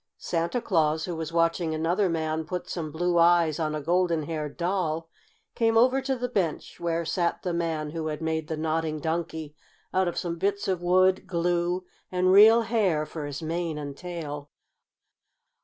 Santa Claus, who was watching another man put some blue eyes in a golden haired doll, came over to the bench where sat the man who had made the Nodding Donkey out of some bits of wood, glue, and real hair for his mane and tail.